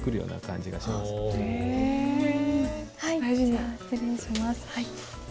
はいじゃあ失礼します。